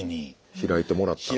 開いてもらったから。